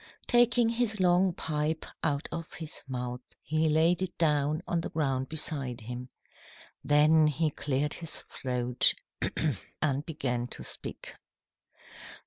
Taking his long pipe out of his mouth, he laid it down on the ground beside him. Then he cleared his throat and began to speak.